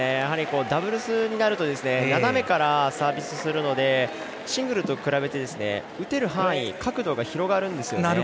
ダブルスになると斜めからサービスするのでシングルスと比べて打てる範囲、角度が広がるんですよね。